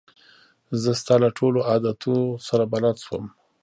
زه ستا له ټولو عادتو سره بلده شوم.